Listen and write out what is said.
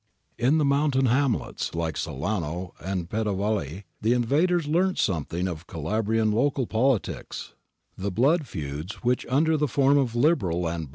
In mountain hamlets hke Solano and Pedavoli the invaders learnt something of Calabrian local politics, the blood feuds which under the form of Liberal and Bourbon ^ See pp.